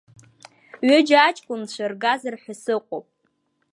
Ҩыџьа аҷкәынцәа ргазар ҳәа сыҟоуп.